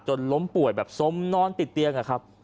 ล้มป่วยแบบสมนอนติดเตียงอะครับ